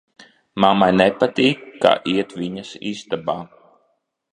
Mammai nepatīk, ka iet viņas istabā.